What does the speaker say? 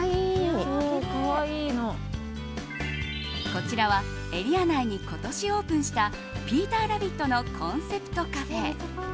こちらはエリア内に今年オープンしたピーターラビットのコンセプトカフェ。